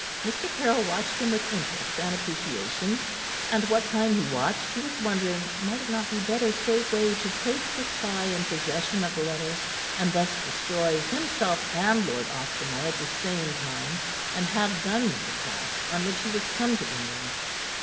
Mr. Caryll watched him with interest and appreciation, and what time he watched he was wondering might it not be better straightway to place the spy in possession of the letter, and thus destroy himself and Lord Ostermore, at the same time and have done with the task on which he was come to England.